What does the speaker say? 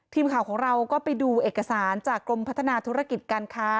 ทีมข่าวของเราก็ไปดูเอกสารจากกรมพัฒนาธุรกิจการค้า